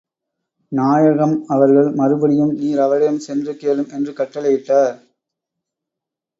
நாயகம் அவர்கள் மறுபடியும் நீர் அவரிடம் சென்று கேளும் என்று கட்டளை இட்டார்.